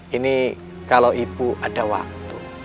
ini kalau ibu ada waktu